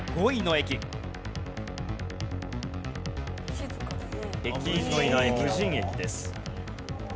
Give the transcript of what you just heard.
駅員のいない無人駅です。